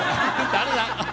誰だ？